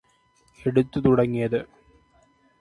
എടുത്ത് തുടങ്ങിയത്